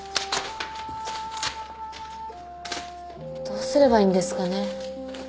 どうすればいいんですかね？